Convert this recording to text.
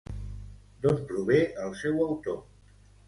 D'on prové el seu autor?